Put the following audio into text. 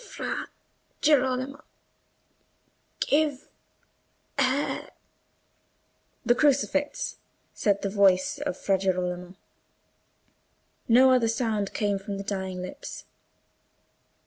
"Fra Girolamo, give her—" "The crucifix," said the voice of Fra Girolamo. No other sound came from the dying lips.